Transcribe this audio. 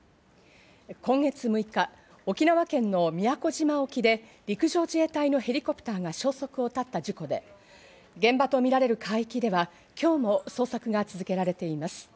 今月６日、沖縄県の宮古島沖で陸上自衛隊のヘリコプターが消息をたった事故で現場とみられる海域では、今日も捜索が続けられています。